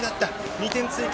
２点追加。